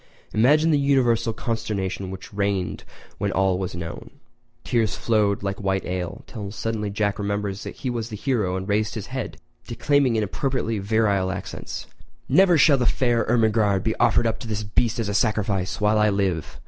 Imagine the universal consternation which reigned when all was known! Tears flowed like white ale, till suddenly Jack remembered he was the hero and raised his head, declaiming in appropriately virile accents: "Never shall the fair Ermengarde be offered up to this beast as a sacrifice while I live!